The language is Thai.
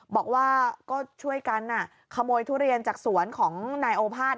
บอกว่าก็ช่วยกันขโมยทุเรียนจากสวนของนายโอภาษ